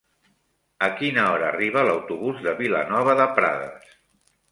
A quina hora arriba l'autobús de Vilanova de Prades?